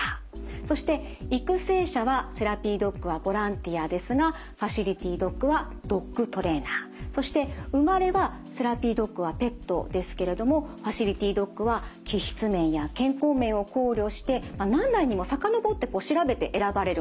そして育成者はセラピードッグはボランティアですがファシリティドッグはドッグトレーナーそして生まれはセラピードッグはペットですけれどもファシリティドッグは気質面や健康面を考慮して何代にも遡って調べて選ばれるんだそうです。